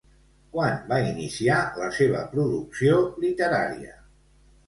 Quan va iniciar la seva producció literària?